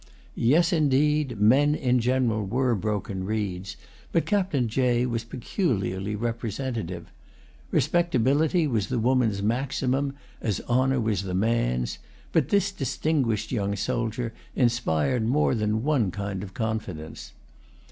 Yes indeed, men in general were broken reeds, but Captain Jay was peculiarly representative. Respectability was the woman's maximum, as honour was the man's, but this distinguished young soldier inspired more than one kind of confidence.